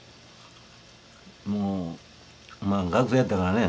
もう学生やったからね